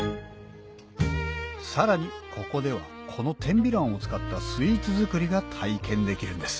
さらにここではこの天美卵を使ったスイーツ作りが体験できるんです